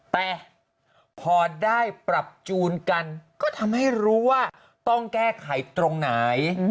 แต่พอได้ปรับจูนกันก็ทำให้รู้ว่าต้องแก้ไขตรงไหน